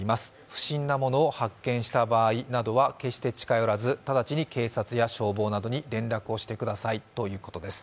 不審なものを発見した場合などは決して近寄らず直ちに警察や消防などに連絡をしてくださいということです。